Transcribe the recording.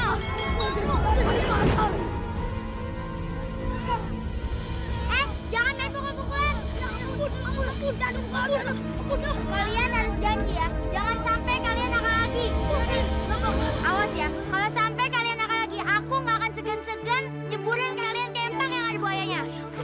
aku gak akan segen segen jemburin kalian ke empang yang ada buayanya